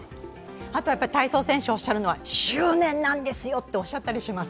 あとは体操選手は「執念なんですよ」とおっしゃったりします。